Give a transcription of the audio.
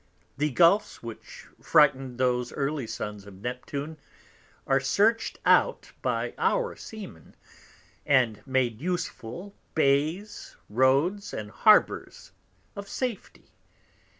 The Gulfs which frighted those early Sons of Neptune are search'd out by our Seamen, and made useful Bays, Roads, and Harbours of Safety.